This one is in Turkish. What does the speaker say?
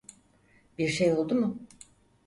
Bir şey oldu mu?